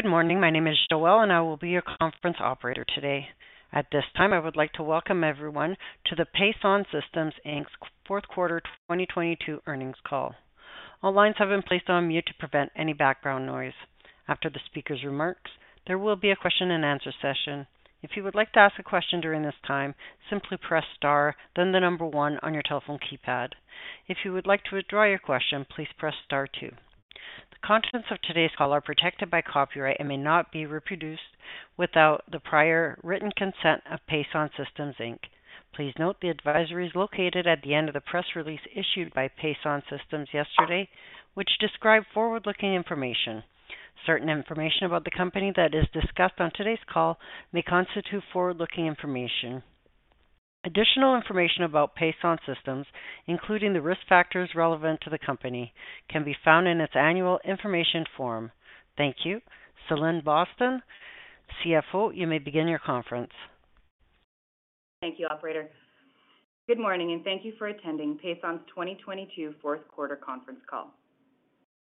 Good morning. My name is Joelle, and I will be your conference operator today. At this time, I would like to welcome everyone to the Pason Systems Inc.'s Fourth Quarter 2022 Earnings Call. All lines have been placed on mute to prevent any background noise. After the speaker's remarks, there will be a question and answer session. If you would like to ask a question during this time, simply press star, then the number one on your telephone keypad. If you would like to withdraw your question, please press star two. The contents of today's call are protected by copyright and may not be reproduced without the prior written consent of Pason Systems Inc. Please note the advisory is located at the end of the press release issued by Pason Systems yesterday, which describe forward-looking information. Certain information about the company that is discussed on today's call may constitute forward-looking information. Additional information about Pason Systems, including the risk factors relevant to the company, can be found in its Annual Information Form. Thank you. Celine Boston, CFO, you may begin your conference. Thank you, operator. Good morning, and thank you for attending Pason's 2022 Fourth Quarter Conference Call.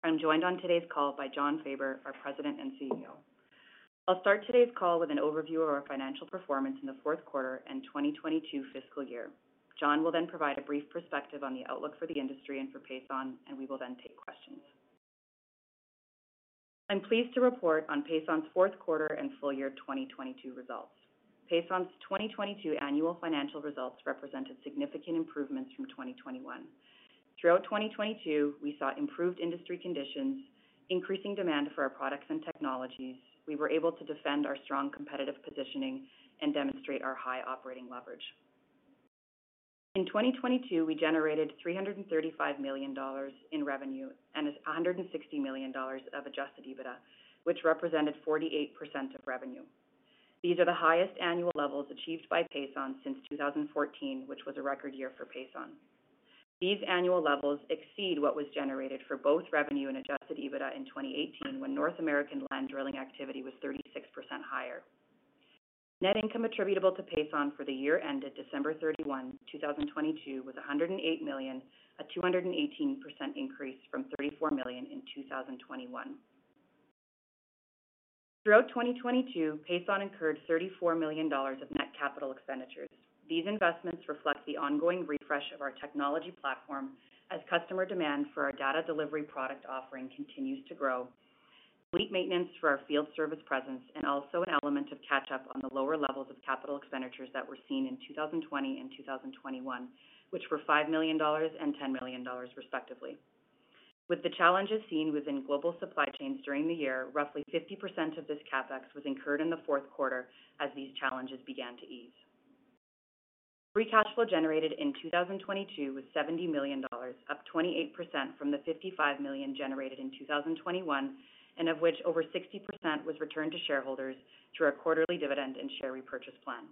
I'm joined on today's call by Jon Faber, our President and CEO. I'll start today's call with an overview of our financial performance in the fourth quarter and 2022 fiscal year. Jon will then provide a brief perspective on the outlook for the industry and for Pason, and we will then take questions. I'm pleased to report on Pason's fourth quarter and full year 2022 results. Pason's 2022 annual financial results represented significant improvements from 2021. Throughout 2022, we saw improved industry conditions, increasing demand for our products and technologies. We were able to defend our strong competitive positioning and demonstrate our high operating leverage. In 2022, we generated $335 million in revenue and $160 million of adjusted EBITDA, which represented 48% of revenue. These are the highest annual levels achieved by Pason since 2014, which was a record year for Pason. These annual levels exceed what was generated for both revenue and adjusted EBITDA in 2018 when North American land drilling activity was 36% higher. Net income attributable to Pason for the year ended December 31, 2022 was $108 million, a 218% increase from $34 million in 2021. Throughout 2022, Pason incurred $34 million of net capital expenditures. These investments reflect the ongoing refresh of our technology platform as customer demand for our DataLink product offering continues to grow, fleet maintenance for our field service presence, and also an element of catch-up on the lower levels of capital expenditures that were seen in 2020 and 2021, which were 5 million dollars and 10 million dollars, respectively. With the challenges seen within global supply chains during the year, roughly 50% of this CapEx was incurred in the fourth quarter as these challenges began to ease. Free cash flow generated in 2022 was 70 million dollars, up 28% from the 55 million generated in 2021, and of which over 60% was returned to shareholders through our quarterly dividend and share repurchase plan.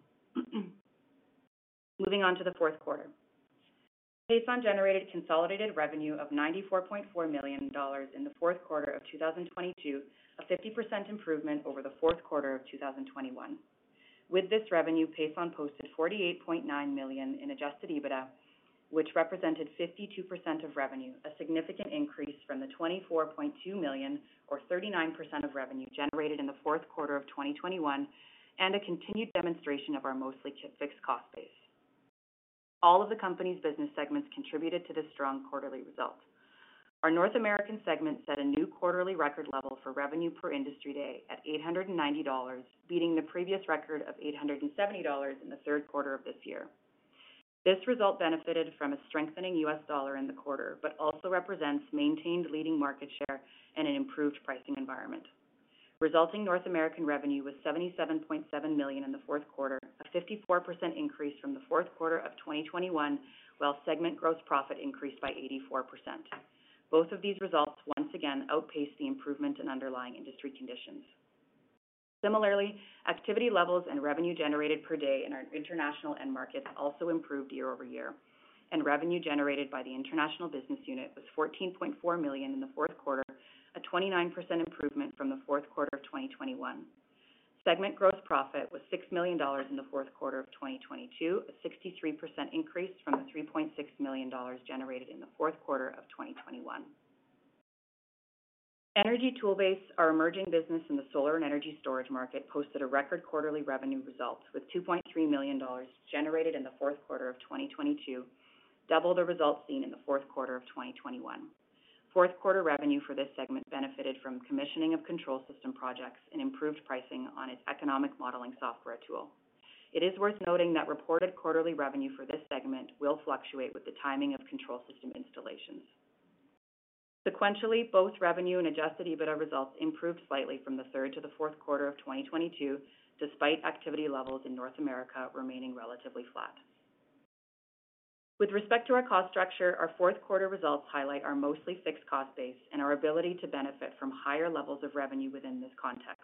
Moving on to the fourth quarter. Pason generated consolidated revenue of 94.4 million dollars in the fourth quarter of 2022, a 50% improvement over the fourth quarter of 2021. With this revenue, Pason posted 48.9 million in Adjusted EBITDA, which represented 52% of revenue, a significant increase from the 24.2 million or 39% of revenue generated in the fourth quarter of 2021, and a continued demonstration of our mostly fixed cost base. All of the company's business segments contributed to the strong quarterly results. Our North American segment set a new quarterly record level for Revenue per Industry Day at 890 dollars, beating the previous record of 870 dollars in the third quarter of this year. This result benefited from a strengthening US dollar in the quarter, but also represents maintained leading market share and an improved pricing environment. Resulting North American revenue was 77.7 million in the fourth quarter, a 54% increase from the fourth quarter of 2021, while segment gross profit increased by 84%. Both of these results once again outpaced the improvement in underlying industry conditions. Similarly, activity levels and revenue generated per day in our international end markets also improved year over year, and revenue generated by the international business unit was 14.4 million in the fourth quarter, a 29% improvement from the fourth quarter of 2021. Segment gross profit was 6 million dollars in the fourth quarter of 2022, a 63% increase from the 3.6 million dollars generated in the fourth quarter of 2021. Energy Toolbase, our emerging business in the solar and energy storage market, posted a record quarterly revenue result with 2.3 million dollars generated in the fourth quarter of 2022, double the results seen in the fourth quarter of 2021. Fourth quarter revenue for this segment benefited from commissioning of control system projects and improved pricing on its economic modeling software tool. It is worth noting that reported quarterly revenue for this segment will fluctuate with the timing of control system installations. Sequentially, both revenue and Adjusted EBITDA results improved slightly from the third to the fourth quarter of 2022, despite activity levels in North America remaining relatively flat. With respect to our cost structure, our fourth quarter results highlight our mostly fixed cost base and our ability to benefit from higher levels of revenue within this context.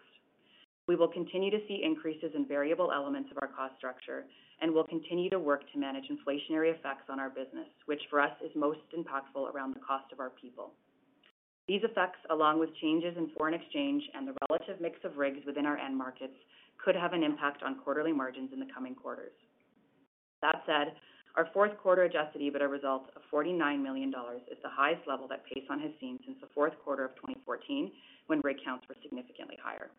We will continue to see increases in variable elements of our cost structure and will continue to work to manage inflationary effects on our business, which for us is most impactful around the cost of our people. These effects, along with changes in foreign exchange and the relative mix of rigs within our end markets, could have an impact on quarterly margins in the coming quarters .Our fourth quarter Adjusted EBITDA results of 49 million dollars is the highest level that Pason has seen since the fourth quarter of 2014 when rig counts were significantly higher.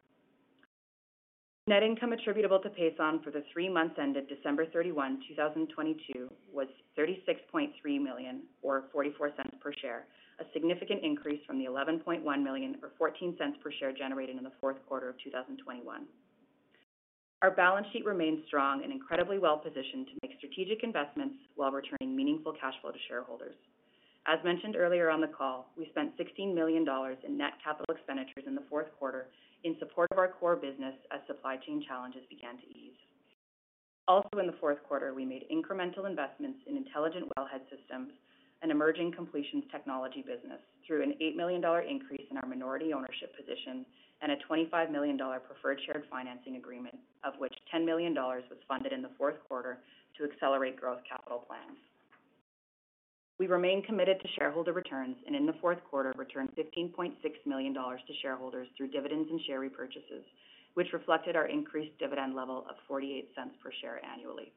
Net income attributable to Pason for the three months ended December 31, 2022 was 36.3 million or 0.44 per share, a significant increase from the 11.1 million or 0.14 per share generated in the fourth quarter of 2021. Our balance sheet remains strong and incredibly well-positioned to make strategic investments while returning meaningful cash flow to shareholders. As mentioned earlier on the call, we spent 16 million dollars in net capital expenditures in the fourth quarter in support of our core business as supply chain challenges began to ease. Also, in the fourth quarter, we made incremental investments in Intelligent Wellhead Systems and emerging completions technology business through a 8 million dollar increase in our minority ownership position and a 25 million dollar preferred shared financing agreement, of which 10 million dollars was funded in the fourth quarter to accelerate growth capital plans. We remain committed to shareholder returns and in the fourth quarter, returned 15.6 million dollars to shareholders through dividends and share repurchases, which reflected our increased dividend level of 0.48 per share annually.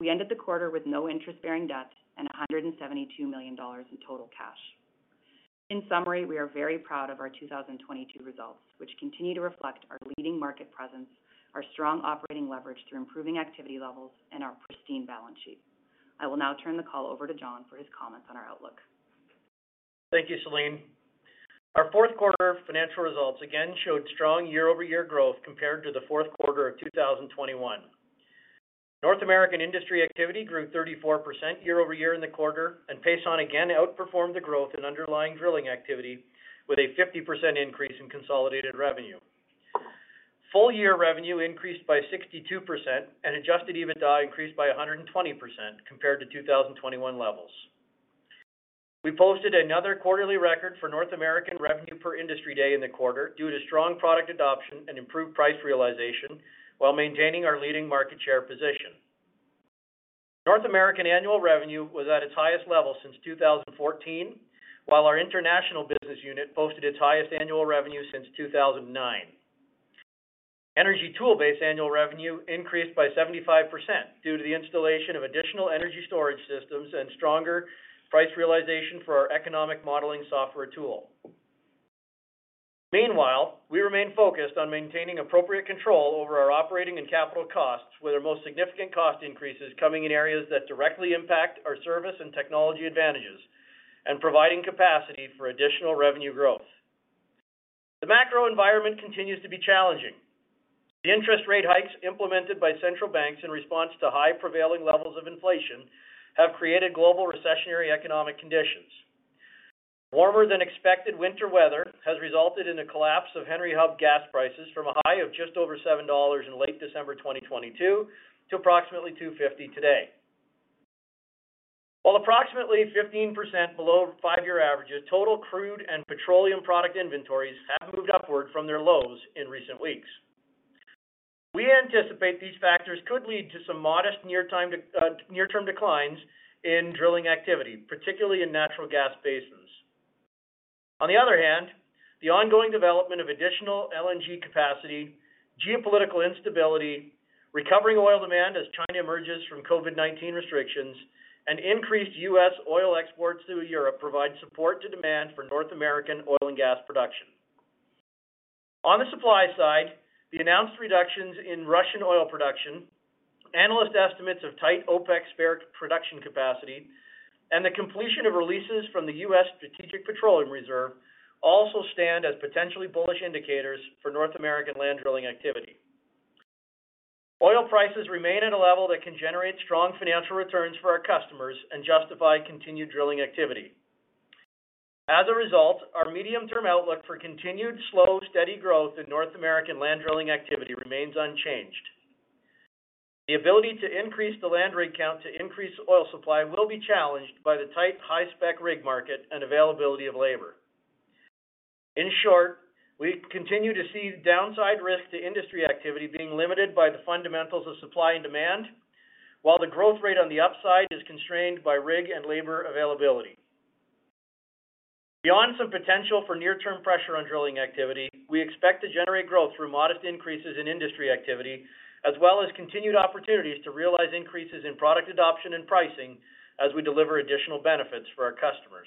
We ended the quarter with no interest-bearing debt and 172 million dollars in total cash. In summary, we are very proud of our 2022 results, which continue to reflect our leading market presence, our strong operating leverage through improving activity levels, and our pristine balance sheet. I will now turn the call over to Jon for his comments on our outlook. Thank you, Celine. Our fourth quarter financial results again showed strong year-over-year growth compared to the fourth quarter of 2021. North American industry activity grew 34% year-over-year in the quarter. Pason again outperformed the growth in underlying drilling activity with a 50% increase in consolidated revenue. Full year revenue increased by 62%. Adjusted EBITDA increased by 120% compared to 2021 levels. We posted another quarterly record for North American Revenue per Industry Day in the quarter due to strong product adoption and improved price realization while maintaining our leading market share position. North American annual revenue was at its highest level since 2014, while our international business unit posted its highest annual revenue since 2009. Energy Toolbase annual revenue increased by 75% due to the installation of additional energy storage systems and stronger price realization for our economic modeling software tool. We remain focused on maintaining appropriate control over our operating and capital costs with our most significant cost increases coming in areas that directly impact our service and technology advantages and providing capacity for additional revenue growth. The macro environment continues to be challenging. The interest rate hikes implemented by central banks in response to high prevailing levels of inflation have created global recessionary economic conditions. Warmer than expected winter weather has resulted in a collapse of Henry Hub gas prices from a high of just over $7 in late December 2022 to approximately $2.50 today. While approximately 15% below five-year averages, total crude and petroleum product inventories have moved upward from their lows in recent weeks. We anticipate these factors could lead to some modest near-term declines in drilling activity, particularly in natural gas basins. On the other hand, the ongoing development of additional LNG capacity, geopolitical instability, recovering oil demand as China emerges from COVID-19 restrictions, and increased US oil exports through Europe provide support to demand for North American oil and gas production. On the supply side, the announced reductions in Russian oil production, analyst estimates of tight OPEC spare production capacity, and the completion of releases from the US Strategic Petroleum Reserve also stand as potentially bullish indicators for North American land drilling activity. Oil prices remain at a level that can generate strong financial returns for our customers and justify continued drilling activity. As a result, our medium-term outlook for continued slow, steady growth in North American land drilling activity remains unchanged. The ability to increase the land rig count to increase oil supply will be challenged by the tight, high-spec rig market and availability of labor. In short, we continue to see downside risk to industry activity being limited by the fundamentals of supply and demand, while the growth rate on the upside is constrained by rig and labor availability. Beyond some potential for near-term pressure on drilling activity, we expect to generate growth through modest increases in industry activity, as well as continued opportunities to realize increases in product adoption and pricing as we deliver additional benefits for our customers.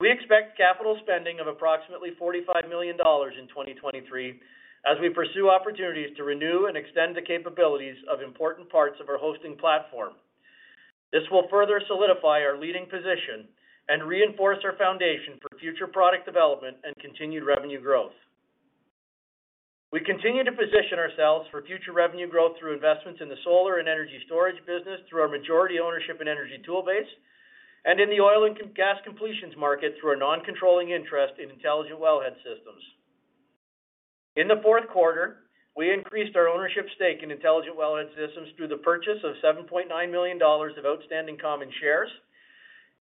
We expect capital spending of approximately 45 million dollars in 2023 as we pursue opportunities to renew and extend the capabilities of important parts of our hosting platform. This will further solidify our leading position and reinforce our foundation for future product development and continued revenue growth. We continue to position ourselves for future revenue growth through investments in the solar and energy storage business through our majority ownership in Energy Toolbase and in the oil and gas completions market through our non-controlling interest in Intelligent Wellhead Systems. In the fourth quarter, we increased our ownership stake in Intelligent Wellhead Systems through the purchase of 7.9 million dollars of outstanding common shares.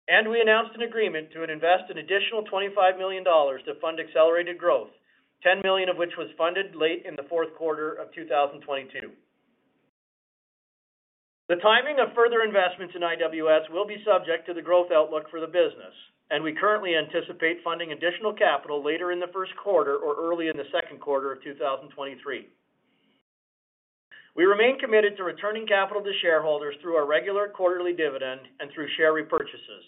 We announced an agreement to invest an additional 25 million dollars to fund accelerated growth, 10 million of which was funded late in the fourth quarter of 2022. The timing of further investments in IWS will be subject to the growth outlook for the business, and we currently anticipate funding additional capital later in the first quarter or early in the second quarter of 2023. We remain committed to returning capital to shareholders through our regular quarterly dividend and through share repurchases.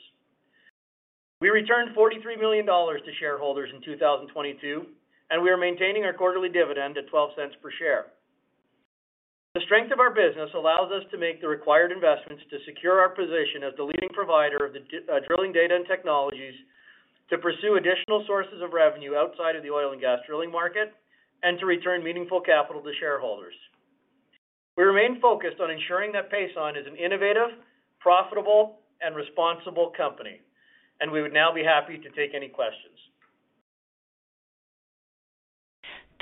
We returned 43 million dollars to shareholders in 2022, and we are maintaining our quarterly dividend at 0.12 per share. The strength of our business allows us to make the required investments to secure our position as the leading provider of the drilling data and technologies to pursue additional sources of revenue outside of the oil and gas drilling market and to return meaningful capital to shareholders. We remain focused on ensuring that Pason is an innovative, profitable, and responsible company, and we would now be happy to take any questions.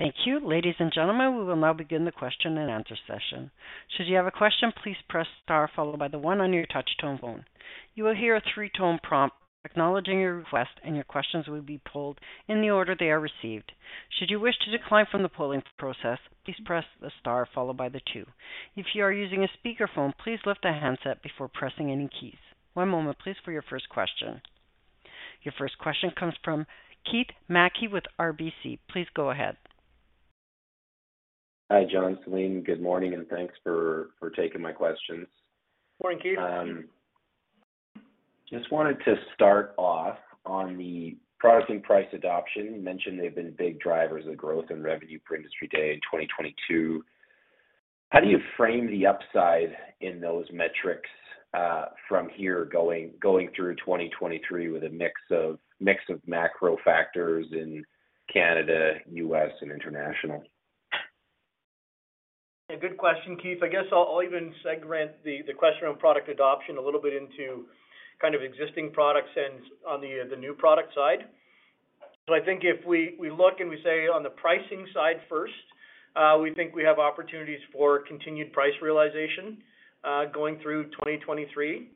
Thank you. Ladies and gentlemen, we will now begin the question and answer session. Should you have a question, please press star followed by the 1 on your touch-tone phone. You will hear a three-tone prompt acknowledging your request, and your questions will be polled in the order they are received. Should you wish to decline from the polling process, please press the star followed by the two. If you are using a speakerphone, please lift the handset before pressing any keys. One moment please for your first question. Your first question comes from Keith MacKey with RBC. Please go ahead. Hi, Jon, Celine. Good morning. Thanks for taking my questions. Morning, Keith. Just wanted to start off on the products and price adoption. You mentioned they've been big drivers of growth and Revenue per Industry Day in 2022. How do you frame the upside in those metrics from here going through 2023 with a mix of macro factors in Canada, US, and international? A good question, Keith. I guess I'll even segment the question on product adoption a little bit into kind of existing products and on the new product side. I think if we look and we say on the pricing side first, we think we have opportunities for continued price realization going through 2023.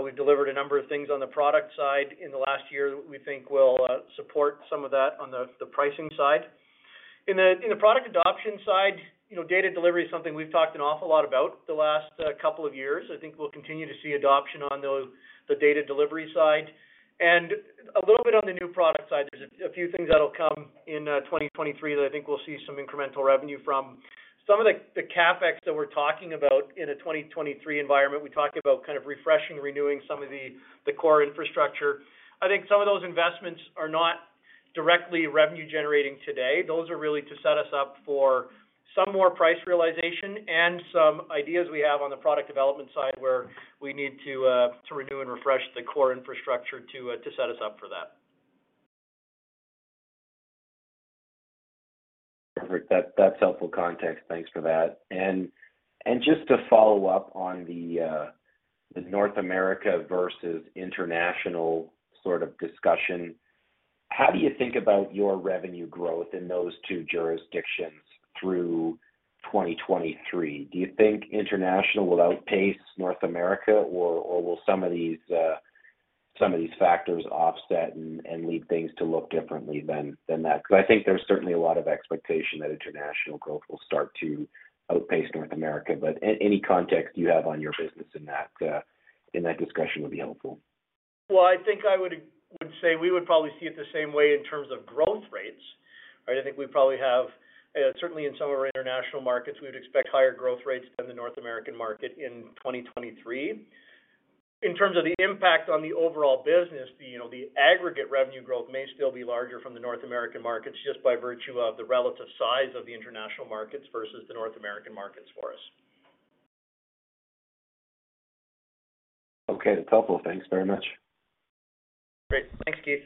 We've delivered a number of things on the product side in the last year that we think will support some of that on the pricing side. In the product adoption side, you know, data delivery is something we've talked an awful lot about the last couple of years. I think we'll continue to see adoption on the data delivery side. A little bit on the new product side, there's a few things that'll come in, 2023 that I think we'll see some incremental revenue from. Some of the CapEx that we're talking about in a 2023 environment, we talk about kind of refreshing, renewing some of the core infrastructure. I think some of those investments are not directly revenue generating today. Those are really to set us up for some more price realization and some ideas we have on the product development side where we need to renew and refresh the core infrastructure to set us up for that. That's helpful context. Thanks for that. Just to follow up on the North America versus international sort of discussion, how do you think about your revenue growth in those two jurisdictions through 2023? Do you think international will outpace North America or will some of these some of these factors offset and lead things to look differently than that? Because I think there's certainly a lot of expectation that international growth will start to outpace North America, but any context you have on your business in that discussion would be helpful. I think I would say we would probably see it the same way in terms of growth rates, right? I think we probably have certainly in some of our international markets, we would expect higher growth rates than the North American market in 2023. In terms of the impact on the overall business, you know, the aggregate revenue growth may still be larger from the North American markets just by virtue of the relative size of the international markets versus the North American markets for us. Okay. That's helpful. Thanks very much. Great. Thanks, Keith.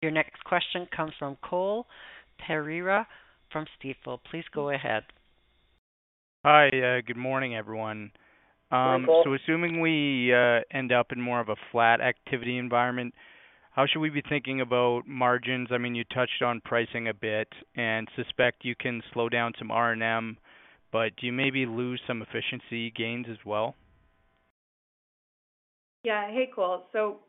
Your next question comes from Cole Pereira from Stifel. Please go ahead. Hi. Good morning, everyone. Morning, Cole. Assuming we end up in more of a flat activity environment, how should we be thinking about margins? I mean, you touched on pricing a bit and suspect you can slow down some R&M, but do you maybe lose some efficiency gains as well? Hey, Cole.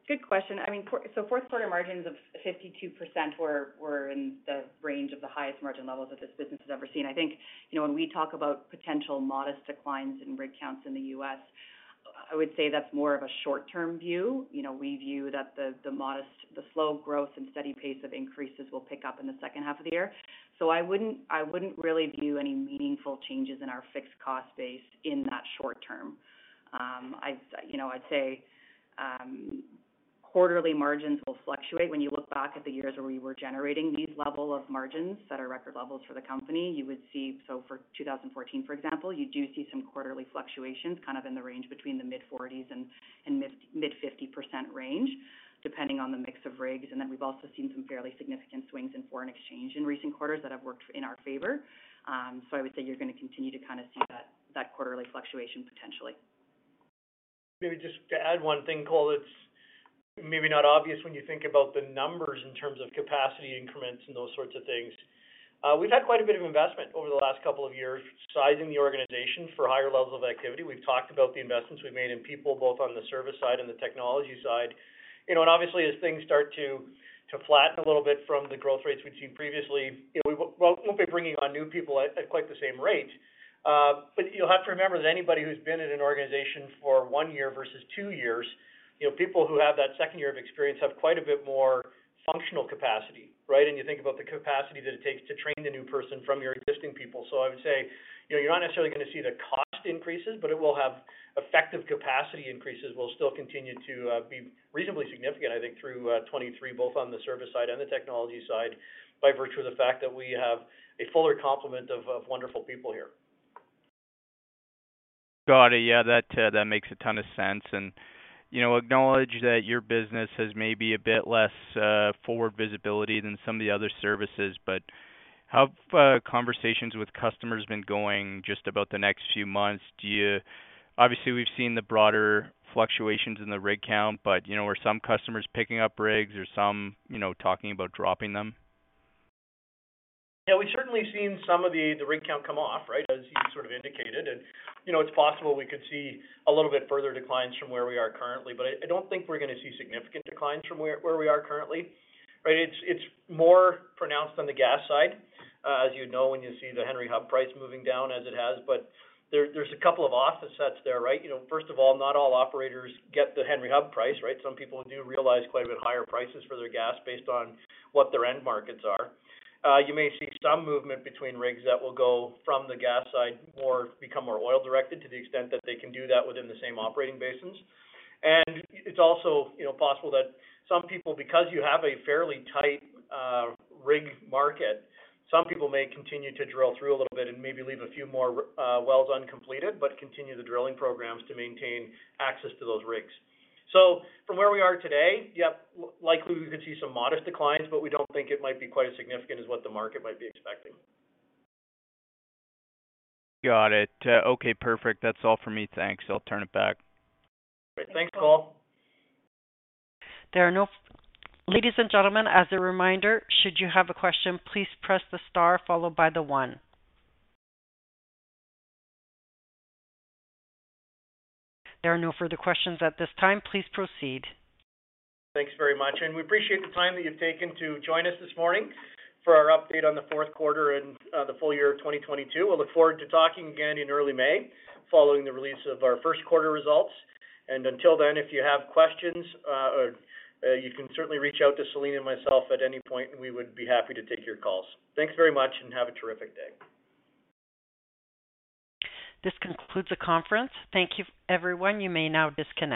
Good question. I mean, fourth quarter margins of 52% were in the range of the highest margin levels that this business has ever seen. I think, you know, when we talk about potential modest declines in rig counts in the U.S. I would say that's more of a short-term view. You know, we view that the slow growth and steady pace of increases will pick up in the second half of the year. I wouldn't really view any meaningful changes in our fixed cost base in that short term. I'd, you know, I'd say, quarterly margins will fluctuate. When you look back at the years where we were generating these level of margins that are record levels for the company, you would see... For 2014, for example, you do see some quarterly fluctuations, kind of in the range between the mid-40s and mid-50% range, depending on the mix of rigs, and then we've also seen some fairly significant swings in foreign exchange in recent quarters that have worked in our favor. I would say you're gonna continue to kind of see that quarterly fluctuation potentially. Maybe just to add one thing, Cole. It's maybe not obvious when you think about the numbers in terms of capacity increments and those sorts of things. We've had quite a bit of investment over the last couple of years sizing the organization for higher levels of activity. We've talked about the investments we've made in people, both on the service side and the technology side. You know, obviously as things start to flatten a little bit from the growth rates we've seen previously, you know, we won't be bringing on new people at quite the same rate. You'll have to remember that anybody who's been in an organization for 1 year versus 2 years, you know, people who have that second year of experience have quite a bit more functional capacity, right? You think about the capacity that it takes to train the new person from your existing people. So I would say, you know, you're not necessarily gonna see the cost increases, but it will have effective capacity increases will still continue to be reasonably significant, I think, through 23, both on the service side and the technology side, by virtue of the fact that we have a fuller complement of wonderful people here. Got it. Yeah, that makes a ton of sense. You know, acknowledge that your business has maybe a bit less forward visibility than some of the other services. How have conversations with customers been going just about the next few months? Obviously, we've seen the broader fluctuations in the rig count, but, you know, are some customers picking up rigs? Are some, you know, talking about dropping them? Yeah, we've certainly seen some of the rig count come off, right, as you sort of indicated. You know, it's possible we could see a little bit further declines from where we are currently. I don't think we're gonna see significant declines from where we are currently. Right? It's, it's more pronounced on the gas side, as you'd know when you see the Henry Hub price moving down as it has. There, there's a couple of offsets there, right? You know, first of all, not all operators get the Henry Hub price, right? Some people do realize quite a bit higher prices for their gas based on what their end markets are. You may see some movement between rigs that will go from the gas side more, become more oil-directed to the extent that they can do that within the same operating basins. It's also, you know, possible that some people, because you have a fairly tight rig market, some people may continue to drill through a little bit and maybe leave a few more wells uncompleted, but continue the drilling programs to maintain access to those rigs. From where we are today, yep, likely we could see some modest declines, but we don't think it might be quite as significant as what the market might be expecting. Got it. Okay, perfect. That's all for me. Thanks. I'll turn it back. Thanks, Cole. Ladies and gentlemen, as a reminder, should you have a question, please press the star followed by the one. There are no further questions at this time. Please proceed. Thanks very much, and we appreciate the time that you've taken to join us this morning for our update on the fourth quarter and the full year of 2022. We'll look forward to talking again in early May following the release of our first quarter results. Until then, if you have questions, you can certainly reach out to Celine and myself at any point, and we would be happy to take your calls. Thanks very much and have a terrific day. This concludes the conference. Thank you everyone. You may now disconnect.